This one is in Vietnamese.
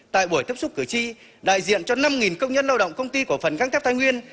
tại buổi tiếp xúc cử tri đại diện cho năm công nhân lao động công ty cổ phần găng thép thái nguyên